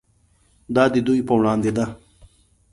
دا د دوی په وړاندې ده.